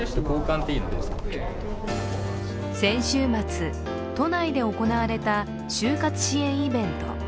先週末、都内で行われた就活支援イベント。